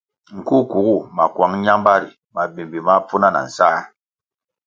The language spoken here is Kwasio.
Nğu kuğu makuang ñambari mabimbi máh pfuna na nsáh.